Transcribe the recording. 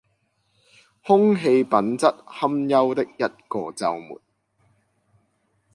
空氣品質堪憂的一個週末